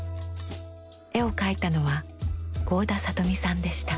絵を描いたのは合田里美さんでした。